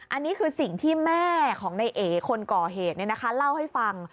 อันนี้คือสิ่งที่แม่ของในเอคนก่อเหตุเล่าให้ฟัง